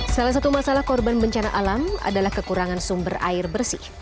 salah satu masalah korban bencana alam adalah kekurangan sumber air bersih